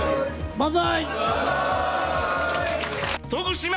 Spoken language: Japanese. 万歳。